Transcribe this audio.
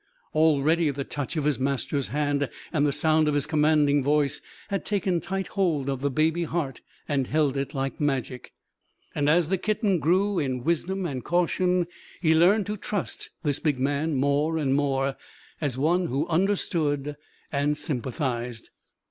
Already the touch of his master hand and the sound of his commanding voice had taken tight hold of the baby heart and held it like magic, and as the kitten grew in wisdom and caution he learned to trust this big man more and more, as one who understood and sympathized.